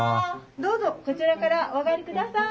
どうぞこちらからお上がりください。